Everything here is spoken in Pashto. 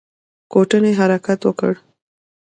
کوټنۍ حرکت وکړ.